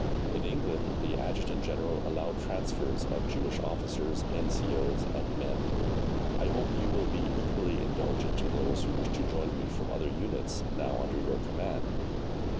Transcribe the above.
In England the Adjutant General allowed transfers of Jewish Officers, N.C.O.'s and men. I hope you will be equally indulgent to those who wish to join me from other units now under your command.